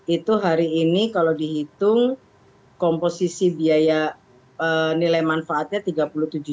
itu hari ini kalau dihitung komposisi biaya nilai manfaatnya rp tiga puluh tujuh juta